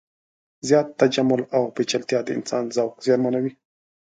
زیات تجمل او پیچلتیا د انسان ذوق زیانمنوي.